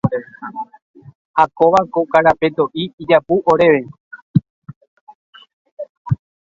Ha kóva ko karapetoʼi ijapu oréve.